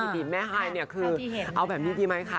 อุบีปแม่ฮายเลยเอาแบบนี้ดีไหมค่ะ